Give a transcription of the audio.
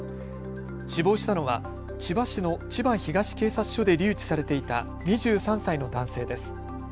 死亡したのは千葉市の千葉東警察署で留置されていた２３歳の男性です。